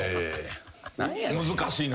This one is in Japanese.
・難しいな。